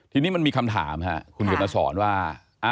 ทีนี้มันมีคำถามค่ะคุณเขียนมาสอนว่า